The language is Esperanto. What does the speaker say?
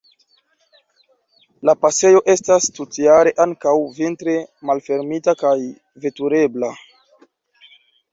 La pasejo estas tutjare, ankaŭ vintre, malfermita kaj veturebla.